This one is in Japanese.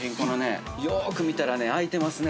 ◆よく見たら開いてますね。